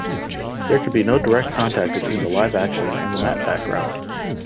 There could be no direct contact between the live action and the matte background.